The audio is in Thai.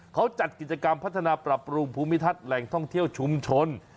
เขาจัดกิจกรรมพัฒนาปรับปรุงภูมิทัศน์แหล่งท่องเที่ยวชุมชน